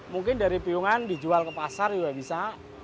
mungkin dari piungan dijual ke pasar juga bisa